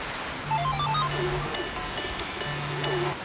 はい？